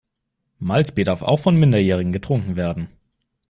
Malzbier darf auch von Minderjährigen getrunken werden.